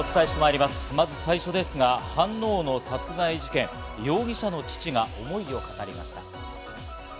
まず最初ですが、飯能の殺害事件、容疑者の父が思いを語りました。